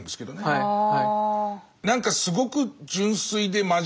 はい。